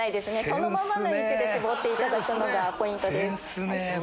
そのままの位置で絞っていただくのがポイントです。